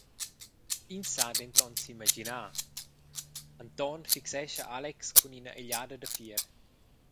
Ins sa denton s’imaginar …», Anton fixescha Alex cun ina egliada da fier.